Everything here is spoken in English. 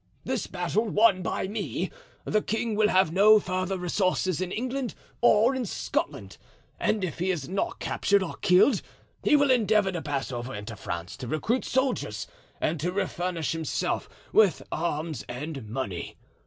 This battle won by me, the king will have no further resources in England or in Scotland; and if he is not captured or killed, he will endeavor to pass over into France to recruit soldiers and to refurnish himself with arms and money.